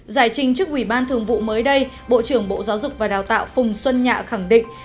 giải trình trước ủy ban thường vụ mới đây bộ trưởng bộ giáo dục và đào tạo phùng xuân nhạ khẳng định